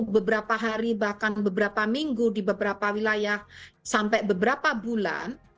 beberapa hari bahkan beberapa minggu di beberapa wilayah sampai beberapa bulan